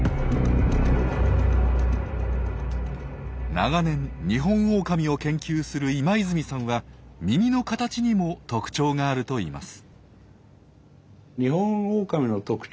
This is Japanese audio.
長年ニホンオオカミを研究する今泉さんは耳の形にも特徴があるといいます。